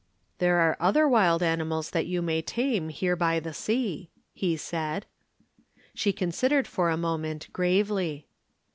"There are other wild animals that you may tame, here by the sea," he said. She considered for a moment gravely.